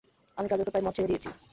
আমি কার্যত প্রায় মদ ছেড়ে দিয়েছি।